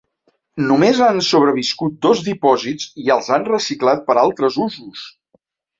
Només han sobreviscut dos dipòsits i els han reciclat per a altres usos.